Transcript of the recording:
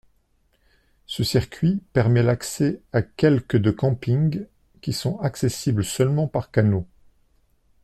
Ce circuit permet l'accès à quelque de camping qui sont accessibles seulement par canot.